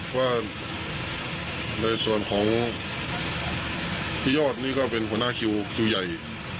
ว่าในส่วนของพี่ยอดนี่ก็เป็นหัวหน้าคิวคิวใหญ่